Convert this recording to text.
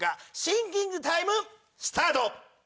シンキングタイムスタート！